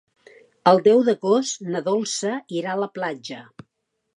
El deu d'agost na Dolça irà a la platja.